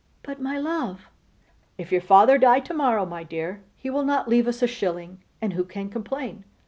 'But, my love ' 'If your father die to morrow, my dear, he will not leave us a shilling. And who can complain?